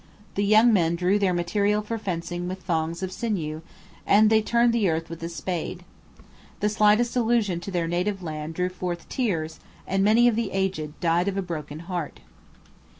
The young men drew their material for fencing with thongs of sinew, and they turned the earth with a spade. The slightest allusion to their native land drew forth tears and many of the aged died of a broken heart.'